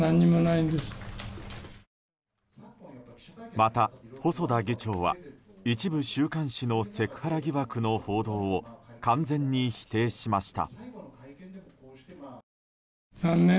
また細田議長は一部週刊誌のセクハラ疑惑の報道を完全に否定しました。